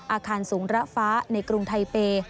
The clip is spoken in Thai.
อาคารสูงระฟ้าในกรุงไทเปย์